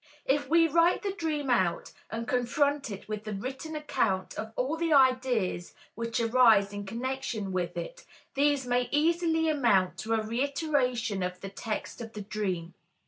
If we write the dream out and confront it with the written account of all the ideas which arise in connection with it, these may easily amount to a reiteration of the text of the dream.